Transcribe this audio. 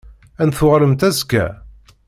Ad n-tuɣalemt azekka?